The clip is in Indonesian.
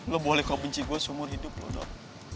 lo boleh kok benci gue seumur hidup lo dok